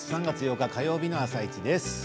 ３月８日火曜日の「あさイチ」です。